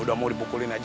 udah mau dipukulin aja